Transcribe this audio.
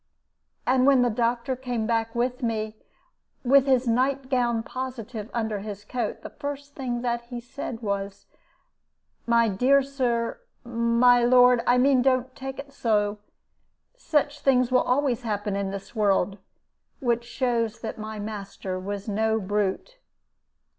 And when the doctor came back with me, with his night gown positive under his coat, the first thing he said was, 'My dear Sir my lord, I mean don't take on so; such things will always happen in this world;' which shows that my master was no brute.